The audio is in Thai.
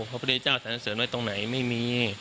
พระพุทธเจ้าสัญลักษณ์เสริมไว้ตรงไหนไม่มี